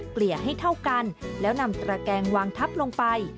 เกลี่ยให้เท่ากันแล้วนำตระแกงวางทับลงไป